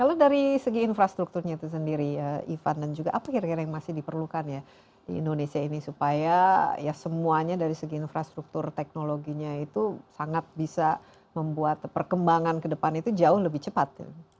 kalau dari segi infrastrukturnya itu sendiri ivan dan juga apa kira kira yang masih diperlukan ya di indonesia ini supaya ya semuanya dari segi infrastruktur teknologinya itu sangat bisa membuat perkembangan ke depan itu jauh lebih cepat